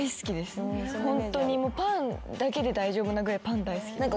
ホントにパンだけで大丈夫なぐらいパン大好き。